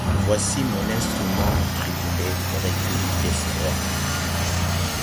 Voici mon instrumentTriboulet recule d’effroi.